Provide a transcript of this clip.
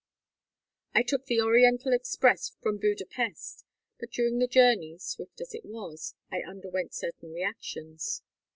"I took the Oriental express from Budapest, but during the journey, swift as it was, I underwent certain reactions.